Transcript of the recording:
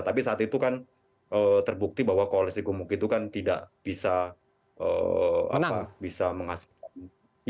tapi saat itu kan terbukti bahwa koalisi gemuk itu kan tidak bisa menghasilkan